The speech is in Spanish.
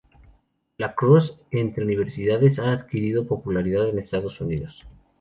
Lacrosse entre universidades ha adquirido popularidad en Estados Unidos.